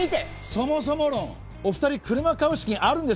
そもそも論お二人車買う資金あるんですか？